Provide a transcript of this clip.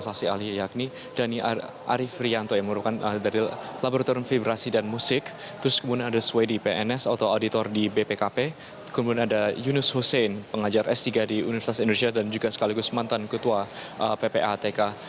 ada swe di pns atau auditor di bpkp kemudian ada yunus husein pengajar s tiga di universitas indonesia dan juga sekaligus mantan ketua ppatk